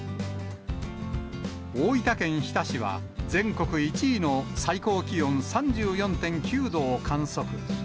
大分県日田市は、全国１位の最高気温３４．９度を観測。